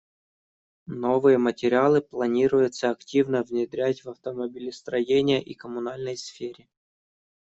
Новые материалы планируется активно внедрять в автомобилестроении и коммунальной сфере.